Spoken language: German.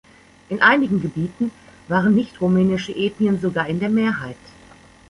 In einigen Gebieten waren nicht-rumänische Ethnien sogar in der Mehrheit.